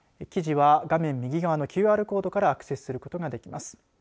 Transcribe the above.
記事は画面右側のＱＲコードからアクセスすることができます。